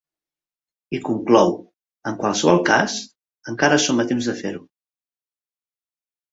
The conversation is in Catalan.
I conclou: En qualsevol cas, encara som a temps de fer-ho.